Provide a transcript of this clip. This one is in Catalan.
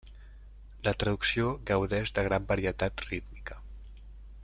La traducció gaudeix de gran varietat rítmica.